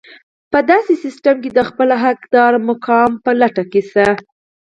په داسې سيستم کې د خپل حقدار مقام په لټه کې شئ.